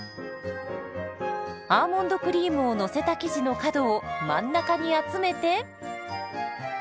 アーモンドクリームをのせた生地の角を真ん中に集めて。